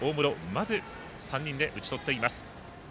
まず、３人で打ち取っています。